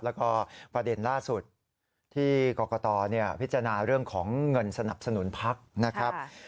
แล้วก็ประเด็นล่าสุดที่กรกตพิจารณาเรื่องของเงินสนับสนุนพักนะครับ